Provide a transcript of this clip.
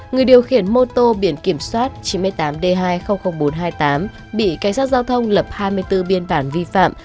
người điều khiển mô tô biển kiểm soát chín mươi tám d hai mươi nghìn bốn trăm hai mươi tám bị cảnh sát giao thông lập hai mươi bốn biên bản vi phạm